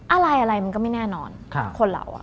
อะไรมันก็ไม่แน่นอนคนเหล่าอะ